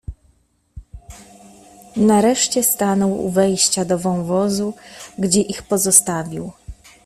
"Nareszcie stanął u wejścia do wąwozu, gdzie ich pozostawił."